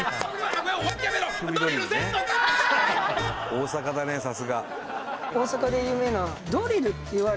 大阪で有名なあっ